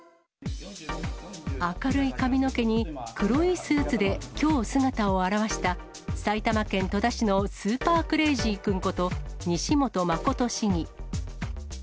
明るい髪の毛に黒いスーツできょう、姿を現した、埼玉県戸田市のスーパークレイジー君こと西本誠市議。